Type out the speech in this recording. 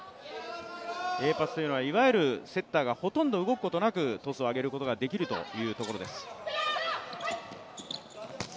Ａパスというのはセッターがほとんど動くことなくトスを上げることができるというところです。